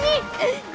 nggak bisa berenang